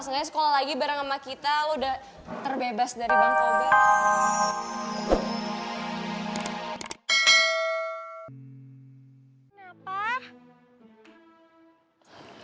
seenggaknya sekolah lagi bareng sama kita udah terbebas dari bank obat